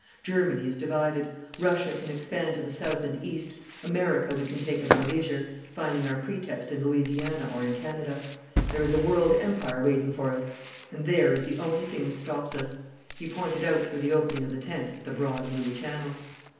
Germany is divided. Russia can expand to the south and east. America we can take at our leisure, finding our pretext in Louisiana or in Canada. There is a world empire waiting for us, and there is the only thing that stops us.' He pointed out through the opening of the tent at the broad blue Channel.